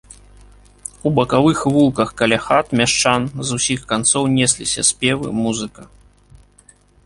У бакавых вулках каля хат мяшчан з усіх канцоў несліся спевы, музыка.